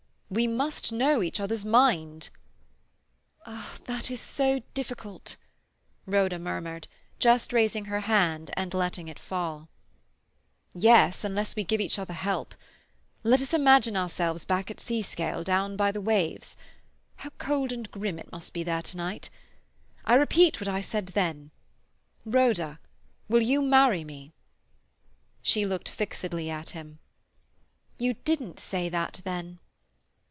"We must know each other's mind." "Ah, that is so difficult!" Rhoda murmured, just raising her hand and letting it fall. "Yes, unless we give each other help. Let us imagine ourselves back at Seascale, down by the waves. (How cold and grim it must be there to night!) I repeat what I said then: Rhoda, will you marry me?" She looked fixedly at him. "You didn't say that then."